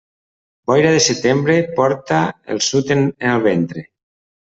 Boira de setembre porta el sud en el ventre.